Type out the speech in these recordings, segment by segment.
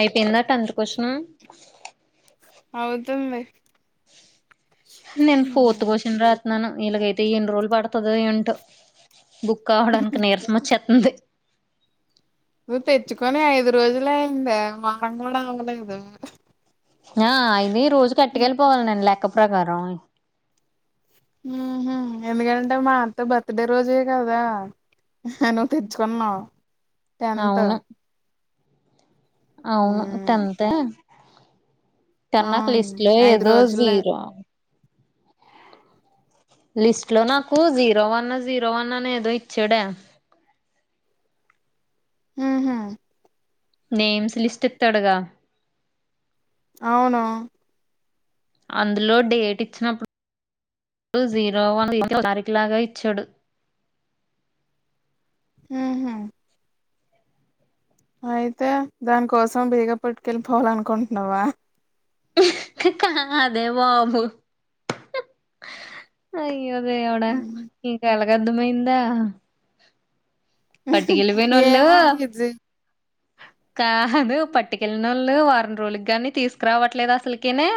అయిపోయిందా tenth question అవుతుంది నేను ఫోర్త్ కోషన్ రాతున్నాను ఇలాగైతే ఎన్ని రోజులు పడుతుందో ఏంటో బుక్ కావడానికి నీరసం వచ్చేతుంది నువ్వు తెచ్చుకొని ఐదు రోజులే అయిందే వారం కూడా అవలేదు. ఆ ఇది రోజు కట్టుకెళ్ళిపోవాలి నేను లెక్క ప్రకారం ఉహు ఎందుకంటే మా అత్త బర్త్డే రోజే కదా హ్హ్ నువ్వు తెచ్చుకున్నావు. టెన్త్ అవును అవును ఉమ్ టెన్తే టన్న క్ అవును లిస్ట్ లో ఐదు ఏదో రోజులే జీరో లిస్ట్ లో నాకు జీరో వన్నా జీరో వన్ అని ఏదో ఇచ్చాడే ఉహా నేమ్స్ లిస్ట్ ఇత్తడుగా అవును అందులో డేట్ ఇచ్చినప్పుడు జీరో వన్ తారీఖులాగా ఇచ్చాడు ఉహా అయితే దాని కోసం బేగ పట్టుకెళ్ళిపోవాల అనుకుంటున్నావా? హ్హ్హ్ కాదే బాబు అయ్ ఈవ దేవుడ ఈకాలగర్ధమయిందా హుహ్ ఏమో ఇది కాదు పట్టుకెళ్ళనోళ్ళు వారం రోజులకి గానీ తీసుకురావట్లేదు అసలకనే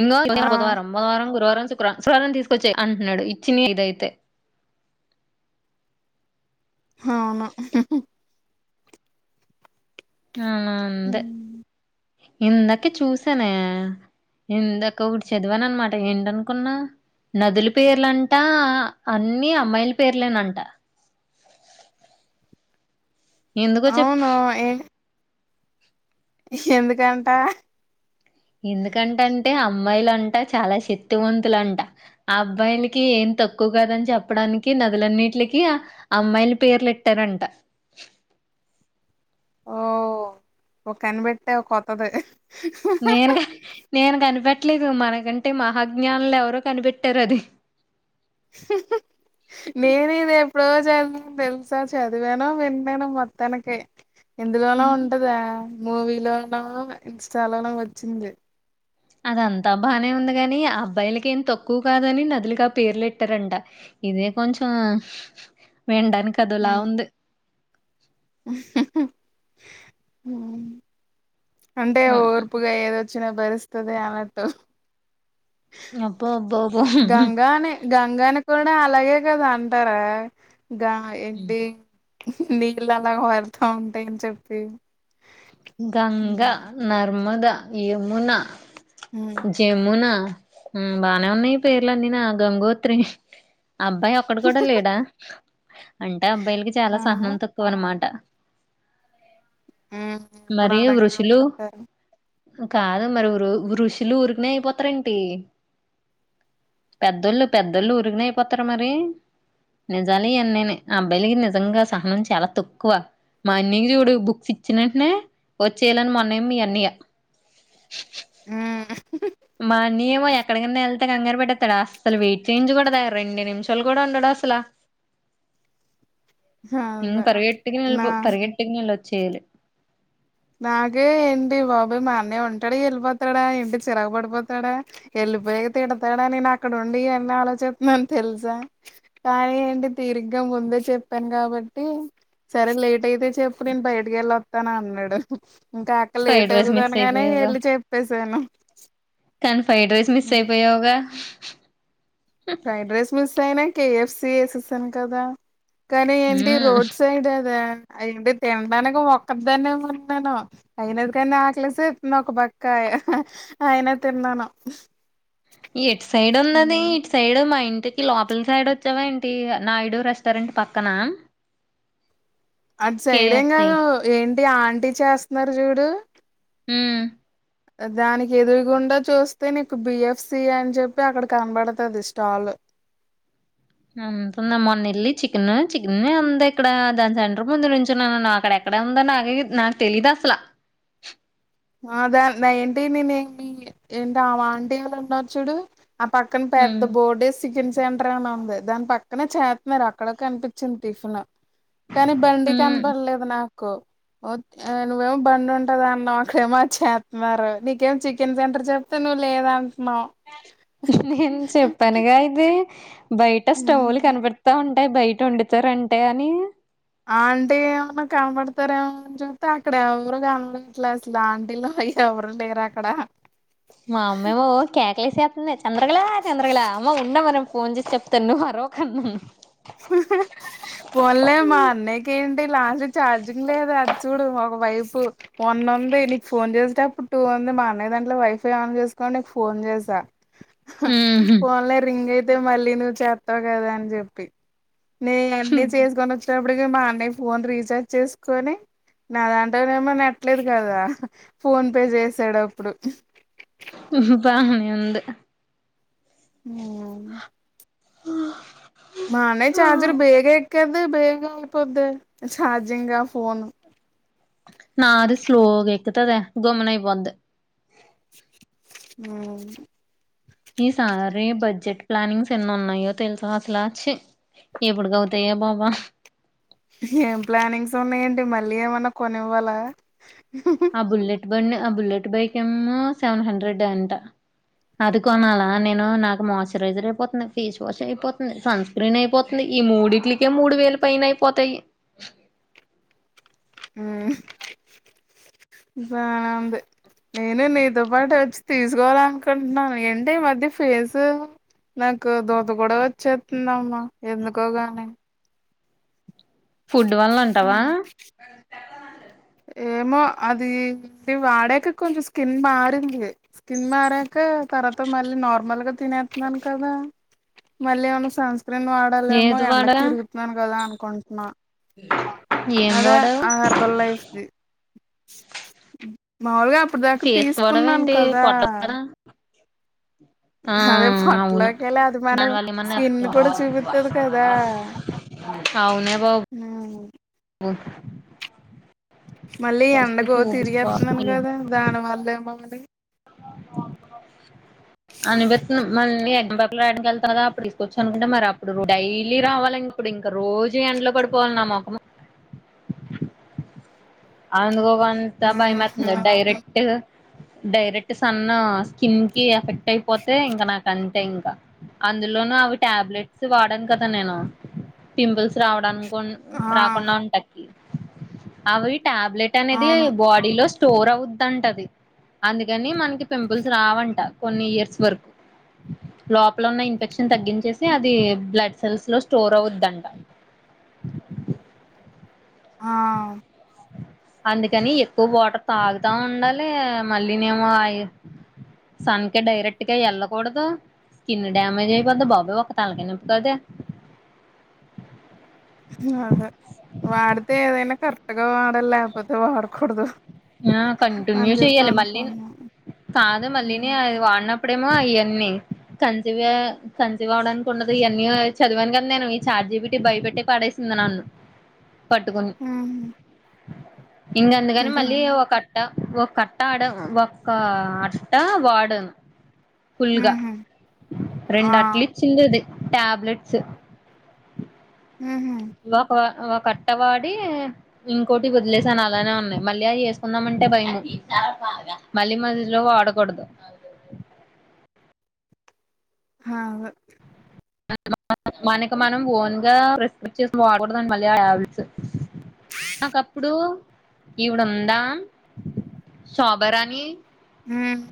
ఇంగో ఆ బుధవారం, బుధవారం, గురువారం, శుక్రారం, శుక్రారం తీసుకొచ్చేయి అంటున్నాడు ఇచ్చిన ఇదైతే హవును హుహ్హ్ ఆనా ఉంది ఇందాక చూసనే ఇందాక ఒకటి చదివాన అనమాట ఏంటనుకున్నావ్ నదుల పేర్లంట అన్ని అమ్మాయిల పేర్లేనంట ఎందుకో చెప్పు అవును ఏం ఎందుకంట ఎందుకంట అంటే అమ్మాయిలంట చాలా శక్తివంతులంట ఆ అబ్బాయిలకి ఏం తక్కువ కదని చెప్పడానికి నదులన్నిటికి అమ్మాయిలు పేర్లు పెట్టారంట. ఓ ఒక కనబెట్టే కొత్తది నేను క నేను కనిపెట్ ట్లేదు మనకంటే మహాజ్ఞానులు ఎవరో కనిపెట్టారు అది హుహ్ నేను ఇది ఎప్పుడో జ తెలుసు సా చదివాను విన్నాను మొత్తానికి ఎందులోనో హ్మ్. ఉంటదే మూవీ లోన, ఇన్స్టాలోన వచ్చింది. అదంతా బానే ఉంది గాని ఆ అబ్బాయిలకె ఏం తక్కువ కాదని నదులుగా పేర్లెట్టారంట. ఇదే కొంచెం విడానికినికి అదోలా ఉంది. ఊహ్హ్ ఉ అంటే హ్మ్. ఓర్పుగా ఏదో చన భరిస్తుస్తద అనట్టు అబ్బో అబ్బో అబ్బో గంగానే గంగానే కూడా అలాగే కదా అంటారా గా ఏంటి నీళ్ళ అలా వరుతా ఉంటాయని చెప్పితే గంగ, నర్మద, యమున, హ్మ్ జమున మ్ బానే ఉన్నాయి పేర్లన్నీ నా గంగోత్రి అబ్బాయి ఒక్కడ కూడా లేడా అంటే అబ్బాయిలకి చాలా ఆ సహనం తక్కువ అనమాట. హ్మ్ ఇప్పుడు మరే అలాగే వృషులు అంటారు కాదు మరి ఋషులు ఊరికినే అయిపోతారేంటి పెద్దోళ్ళు పెద్దోళ్ళు ఉరికిన అయిపోతార మరి నిజాల అన్నేనే అబ్బాయిలకి నిజంగా సహనం చాలా తక్కువ మా అన్నీకి చూడు బుక్స్ ఇచ్చినంటనే వచ్చేయాలని మొన్న మీ అన్నయ్య ఉం తడా అసలు వెయిట్ చెయించ కూడదా రెండు నిమిషాలు కూడా ఉండడు అసలా అదే పగిెట్కి నా పగెట్కిినలోచ్చలు [unintelligible] నాగే ఏంటి బాబోయి మా అన్నయ ఉంటాడ వెళ్ళిపోతాడా ఎంటి చిరగ పడిపోతాడా వె వెలిపోయాగా తిడతాడని నేను అక్కడ ఉండి ఎన్న ఆలోచిస్తున్నాని తెలుసా కానీ ఏంటి తీరిగ్గా ముందే చెప్పాను కాబట్టి సరే లేట్ అయితే చెప్పు నేను బయటకి వెళ్ళి వస్తాను అన్నాడు ఇంకా అక్క లేట్ ఫ్రైడ్ రైస్ మిస్ అవుతదనగానే అయిపోయావుగా వెళ్ళి చెప్పే సాను కానీ ఫ్రైడ్ రైస్ మిస్ అయిపోయావుగా ఫ్రైడ్ రైస్ మిస్ అయినా కేఎఫ్సి వేసేసాను కదా కానీ ఏంటి ఉమ్ రోడ్ సైడ్ అదా అయింటి తినడానికి ఒక్క దాన్నే ఉన్నాను అయినది కాని ఆకలేసత్తంది ఒక పక్కా అయినా తిన్నాను ఎటు సైడ్ ఉన్నది ఉమ్. ఇటు సైడ్ మా ఇంటికి లోపలి సైడ్ వచ్చావా ఏంటి నాయుడు రెస్టారెంట్ పక్కన అటు సైడేం కేఎఫ్సి కాదు ఏంటి ఆంటీ చేస్తున్నారు చూడు ఉం దానికి ఎదురుగుండా చూస్తే నీకు బిఎఫ్సి అని చెప్పి అక్కడ కనబడుతది స్టాల్ [inaudible] అ మొన్న నల్లి చికెన్ చికెన్ అ ఇక్కడ దాని సెంటర్ ముందు నుంచిున్నా నా అక్కడ [unintelligible] అక్కడ ఉందా నాగే నాకు తెలీదు అసలా [inaudible] అదా ఏంటి నేనేమి ఏంట ఆంటీ ఎళ ఉన్నారు చూడు [unintelligible] ఆ పక్కన పెద్ద ఉమ్ బోర్డీస్ టిఫిన్ సెంటర్ అని ఉంది దాని పక్కనే చేస్తున్నారు అక్కడ కనిపించింది టిఫిన్ కానీ బండి ఉమ్ కనపడలేదు నాకు నువ్వేమో బండి ఉంటద అన్నవ్ ఇక్కేడేమో చేస్తున్నారు నీకేం చికెన్ సెంటర్ చెప్తే నువ్వు లేదా నేను చెప్పానుగా ఇది బయట ఉమ్. స్టవ్లు కనపడతా ఉంటాయి బయట వండుతారంటే అని ఆంటీ ఏమన్నా కనపడతారేమోని చూస్తతే అక్కడ ఎవరు కన అట్లే అసలు ఆంటీలో అయ [unintelligible] ఎవ్వరు లేరు అక్కడ మా అమ్మేమో కేకలేసేస్తుంది చంద్రగలా చంద్రగళ అమ్మ ఉండమ్మా ఫోన్ చేసి చెప్తా నువ్ అరవకన్నాను పోన్లే మా అన్నకి ఏంటి లాస్ట్ ఛార్జింగ్ లేదు అది చూడు ఒక వైపు వంద ఉంది నీకు ఫోన్ చేసేటప్పుడు టూ ఉంది మా అన్నయ్య దాంట్లో వైఫై ఆన్ చేసుకోని నీకు ఫోన్ చేసా ఫోన్ లో రింగ్ అయితే మళ్ళీ నువ్వు చేస్తావు కదా అని చెప్పి నే అన్నీ చేసుకొని వచ్చేటప్పటికి మా అన్నయ్య ఫోన్ రీచార్జ్ చేసుకొని నా దాంట్లోనేమో నెట్లేదు కదా ఫోన్ పే చేసాడప్పుడు బ న ఉంది [unintelligible] హమ్ హా మన చార్జర్ బేగ ఎక్కే అదే బెగా అయిపోద్దె ఛార్జింగ్ ఆ ఫోన్ నాది స్లో గా ఎక్కుతాదే గమ్మునైపోద్ది ఉ ఈసారి బడ్జెట్ ప్లానింగ్స్ ఎన్ని ఉన్నాయో తెలుసా అసలా చి ఏప్పుడుగవుతాయే బాబ ఏం ప్లానింగ్స్ ఉన్నాయేంటి మళ్ళీ ఏమన్నా కొనివ్వాలా ఆ బుల్లెట్ బండి ఆ బుల్లెట్ బైక్ ఏమో సెవెన్ హండ్రెడ్ అంట అది కొనాల నేను నాకు మాయిశ్చరైజర్ అయిపోతుంది ఫేస్ వాష్ అయిపోతుంది సన్ స్క్రీన్ అయిపోతుంది ఈ మూడింటిలకే మూడు వేల పైన అయిపోతాయి ఉ బానే ఉంది నేను నీతో పాటు వచ్చి తీసుకోవాలనుకుంటున్నాను ఏంటి ఈ మధ్య ఫేస్ నాకు దూద కూడా వచ్చేస్తుందమ్మా ఎందుకో గాని ఫుడ్ వల్లన అంటావా ఏమో అది వాడాక కొంచెం స్కిన్ మారింది స్కిన్ మారాక తర్వాత మళ్ళీ నార్మల్ గా తినేస్తున్నాను కదా మళ్ళీ ఏమన సన్ స్క్రీన్ వాడాలేమో ఏది ఎండకి వాడా తిరుగుతున్నాను కదా అనుకుంటున్నా [inaudible] అదే వాడావు ఆహార బల్లా ఐస్ది మాములుగా అప్పటి దాకా ఫేస్ కి తీసుకున్నాను వాడవేంటి కదా పొట్లకు కదా ఆ అదే అవును పొట్టలోకి వెళ్ళి అది మన దానివల్ల ఏమన్నా స్కిన్ కూడా చూపిత్తది కదా అవునే బాబు ఉమ్ బు మళ్ళీ ఎండగో తిరిగెత్తున్నాను కదా దానివల్లేమో అని [inaudible] అనిపిస్తుంది మళ్ళ ఎంపకి రాయడానికి వెగుత కా అప్పుడు తీసుకొచ్చ అనుకుంటే మరి అప్పుడు డైలీ రావాలి ఇప్పుడుం ఇంకా రోజు ఎండ్లో పడిపోవాలి నా మొఖము [inaudible] ఆనంద గో అంతా భయమతుంది ఉమ్ డైరెక్ట్ డైరెక్ట్ సన్ను స్కిన్ కి ఎఫెక్ట్ ట్ అయిపోతే ఇంకా నాకు అంతే అందులోనూ అవి టాబ్లెట్స్ వాడాను కదా నేను పింపుల్స్ రావడాని ఆ రాకుండా ఉంటకి అవి టాబ్లెట్ అనేది అవును బాడీలో స్టోర్ అవుద్దంట అది అందుకని మనకి పింపుల్స్ రావంట కొన్ని ఇయర్స్ వరకు లోపలున్న ఇన్ఫెక్షన్ తగ్గించేసి అది బ్లడ్ సెల్స్ లో స్టోర్ అవుద్దంట ఆ అందుకని ఎక్కువ వాటర్ తాగుతా ఉండాలి మళ్ళీనేమో అయి సన్ కె డైరెక్ట్గా వెళ్ళకూడదు స్కిన్ డ్యామేజ్ అయిపొద్ది బాబోయ్ ఒక తలకాయి నొప్పి అది అదె వాడితే ఏదైనా కరెక్ట్గా వ డాలి లెకపోతే వాడకూడదు ఆ అని కంటిన్యూ చెప్పి చెయ్యాలి మళ్ళీ ను అనుకున్నా కాదు మల్లిని ఉమ్ అది వాడినప్ అప్పుడేమో అయన్నీ కంసివ్య కన్సీవ్ అవ్వడానికి ఉండదు ఇయన్నీ చదివాను కదా నేను ఈ చా జీబిటి భయపెట్టే పడేసింది నన్ను [inaudible] పట్టుకున్ ఉహు ఇంక అందుకని ఇంకా మళ్ళీ ఒకట్ట ఒకట్టాడాము ఒక అట్ట వాడామ్ ఫుల్గా ఉహు ఆ రెండు అట్లచిండేదే టాబ్లెట్స్ ఉహు లోపల కట్టవాడి ఇంకోటి వదిలేశాను అలానే ఉన్నాయి మళ్ళీ అయి ఏసుకుందామంటే భైము మళ్ళీ మజిజిలో వాడకూడదు [inaudible] హావు మనకి మనం ఓన్ గా రిస్పెక్ట్ చేసినవి వాడకూడదండి మళ్ళీ ఆ టాబ్లెట్స్ నాకప్పుడు ఈవిడుందామ్ శోభారాణి ఉమ్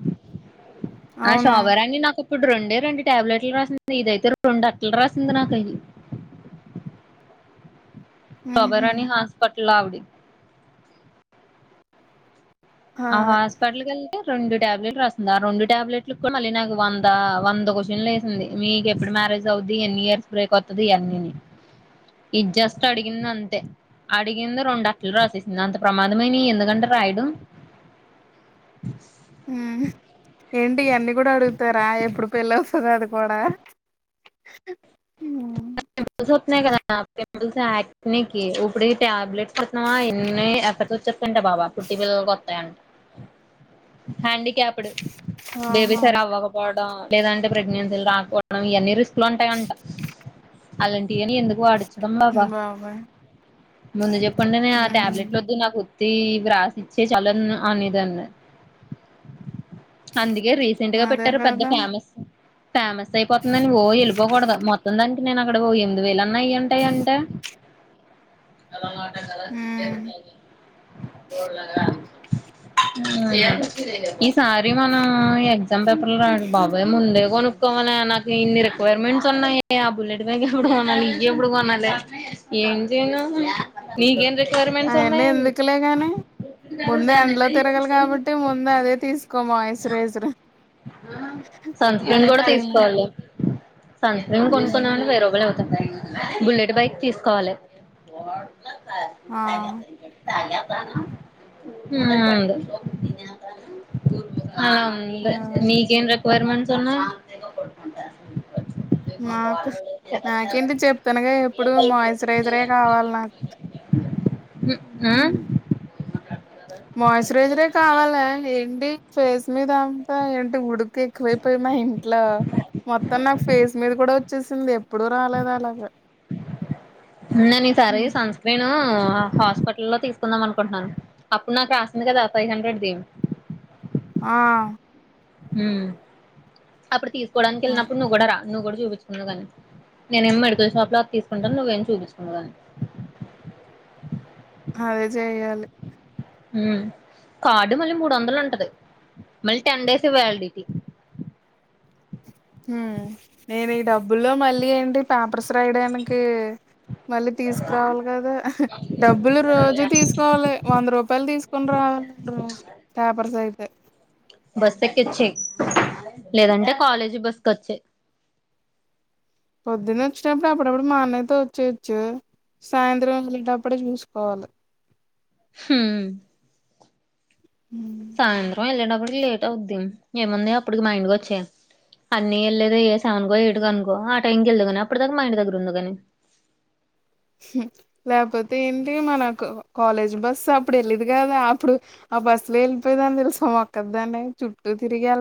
ఆ అవును శోభారాణి నాకు ఇప్పుడు రెండే రెండు ట్యాబ్లెట్లు రాసింది ఇదైతే రెండట్లు రాసింది నాకై [inaudible] ఉహు శోభారాణి హస్పాటలావిడి ఆ అదే హాస్పిటల్ రొండు ట్యాబ్లెట్లు రాసింది ఆ రెండు టాబ్లెట్లు కూడా మళ్ళీ నాకు వంద వంద కొషన్లు వేసింది మీకెప్పుడు మ్యారేజ్ అవుద్ది ఎన్ని ఇయర్స్ బ్రేక్ వత్తది ఇయన్నీని ఇది జస్ట్ అడిగింది అంతే అడిగింది రెండు అట్లు రాసేసింది అంత ప్రమాదమైనయి ఎందుకంటే రాయడం ఏంటి ఇయన్నీ కూడా అడుగుతారా ఎప్పుడు పెళ్ళౌతదో అది కూడా ఉ పింపుల్స్ వస్తున్నాయి గదా అప్పుడప్పుడు సాట్నీకి ఉప్పుడీ టాబ్లెట్స్ అంట్నవా ఎన్ని ప్పచ్చ చ్చెక్కంట బావా కుట్టి పిలల్ కొత్తయన్ [inaudible] హ్యాండీక్యాప్డ్ బేబీ ఆహా సరవ్వకపోవడం లేదంటే ప్రెగ్నెన్సీలు రాకపోవడం ఇయన్నీ లుంటయంట అలాంటియని ఎందు ఆడిచడం మాబా బాబోయ్ ముందే చెప్పుంటే నే ఆ ఉమ్ ట్యాబ్లెట్లు వద్దు నాకు వ్రాసిచ్చే చలన్ అనిదన్న్ అందుకే రీసెంట్ గా అదే పెట్టారు పెద్ద కదా ఫేమస్ ఫేమస్ అయిపోతుందని ఓ ఎళ్ళిపోగుడదు మొత్తం దన్ నేనక్కడ ఓ యమ్ది వేలన్న అయ్యుంటయంట [inaudible] ఉమ్ కోడుగాల ఈ సారి మనం ఎగ్జామ్ పేపర్లు రాడి బాబోయ్ ముందే కొనుక్కోవాలే నాకు ఇన్ని రిక్వైర్మెంట్స్ ఉన్నాయే బుల్లెట్ బైగ్ ఎప్పుడు కొనాలి ఇంగెప్పుడు కొనాలి ఏంటి చైను నీకేం రిక్వైర్మెంట్స్ అయన్నీ ఉన్నాయి ఎందుకులే గాని ముందే ఎండ్లో తిరగలి కాబట్టి ముందే అదే తీసుకో మాయ్ సరేసరు సన్ స్క్రీన్ కూడా సన్క్రీన్ తీసుకోవాలి సన్ స్క్రీన్ కొనుక్కుందా మంటే వెయ్య్ రూబాలైతయి బుల్లెట్ బైక్ తీసుకోవాలి ఆ మ్మ్ ఆ ఉంద్ అదే మీకేం రిక్వైర్మెంట్స్ ఉన్నా నాకు నాకేంటి చెప్తానుగా ఎప్పుడు మాైజరైజరే కావాలి నాకు హ్మ్ మాయిశ్చరైజరే కావాల ఏంటి ఫేస్ మీ దంతా ఏంటి ఉడుకు ఎక్కువైపోయి మా ఇంట్లో మొత్తం నాకు ఫేస్ మీద కూడ వచ్చేసింది ఎప్పుడు రాలేదు అలాగా నేన్ ఈ సారి హ్మ్. సన్ సన్స్క్రీను హాస్పిటల్ లో తీసుకుందాం అనుకుంటున్నాను అప్పుడు నాకు రాసింది కదా ఫైవ్ హండ్రెడ్ దం ఆ హు అప్పుడు తీసుకోడానికి ఆ! వెళ్ళినప్పుడు నువ్వు కూడా రా నువ్వు కూడ చూపించుకుందు గాని నేనే మ్ మెడికల్ షాప్ లో అది తీసుకుంటాను నువ్వేమి చూపిించుకుందు గాని అదే చెయ్యాలి ఉ కార్డు మళ్ళీ మూడొందలు ఉంటది మరి టెన్ డేసె వ్యాలిడిటి నేను ఈ డబ్బుల్లో మళ్ళీ ఏంటి పేపర్స్ రాయడానికి మళ్ళీ తీసుకురావాలి కదా డబ్బులు రోజు తీసుకోవాలె వంద రూపాయలు తీసుకుని రావాల ప్యాపర్స్ ఐతే బస్ ఎక్కిచ్చేయ్ లేదంటే కాలేజ్ బస్ కి వచ్చెయ్ పొద్దున్న వచ్చినప్పుడు అప్పుడప్పుడు మా అన్నయ్యతో వచ్చేయోచ్చు సాయంత్రం వెళ్ళేటప్పుడే చూసుకోవాలి హుమ్ హ్మ్. సాయంత్రం వెళ్ళేటప్పటికి లేట్ అవుద్ది ఏముంది అప్పటికి మా ఇంటికి వచ్చెయ్ అన్నయ్ వెళ్లే దె ఏ సెవన్కో ఏయిటుకో అనుకో ఆ టైంకి వెళ్ళదు కాని అప్పుడ్ దాకా మా ఇంటి దగ్గర ఉందిగాని లేకపోతే ఏంటి మనకు కాలేజ్ బస్సు అప్పుడు వెళ్ళద్ది కదా అప్పుడు ఆ బస్సు లో వెళ్ళిపోయిదాన్ని తెలుసా ఒక్క దాన్నె చుట్టూ తిరిగి వెళ్